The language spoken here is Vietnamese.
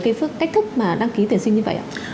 cái cách thức mà đăng ký tuyển sinh như vậy ạ